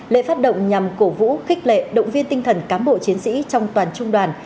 lễ phát động nhằm cổ vũ khích lệ động viên tinh thần cám bộ chiến sĩ trong toàn trung đoàn